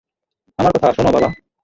আমার কথা শোন, বাবা!